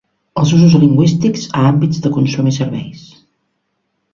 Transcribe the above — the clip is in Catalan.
Els usos lingüístics a àmbits de consum i serveis.